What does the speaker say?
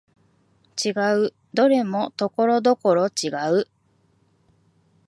違う、どれもところどころ違う